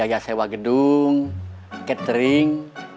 pelunasan biaya sewa gedung catering